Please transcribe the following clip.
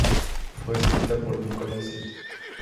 Fue escrita por Nicholas St.